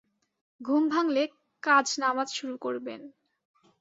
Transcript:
ঘুম ভাঙলে কাজ নামাজ শুরু করবেন।